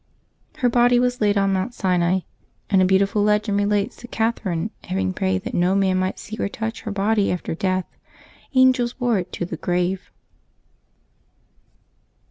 Her body was laid on Mount Sinai, and a beau tiful legend relates that Catherine having prayed that no man might see or touch her body after death, angels bore it to the grave.